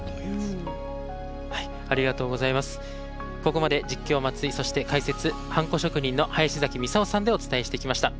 ここまで実況松井そして解説ハンコ職人の林崎操さんでお伝えしてきました。